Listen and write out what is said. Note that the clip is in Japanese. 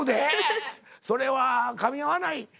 それはかみ合わないというか。